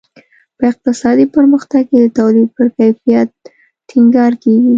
په اقتصادي پرمختګ کې د تولید پر کیفیت ټینګار کیږي.